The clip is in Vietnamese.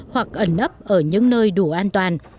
hoặc ẩn ấp ở những nơi đủ an toàn